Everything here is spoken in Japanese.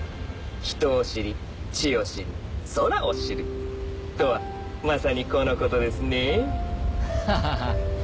「人を知り地を知り空を知る」とはまさにこのことですねえハハハ